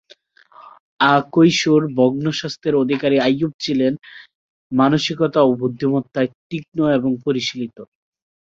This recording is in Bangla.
আকৈশোর ভগ্নস্বাস্থ্যের অধিকারী আইয়ুব ছিলেন মানসিকতা ও বুদ্ধিমত্তায় তীক্ষ্ণ এবং পরিশীলিত।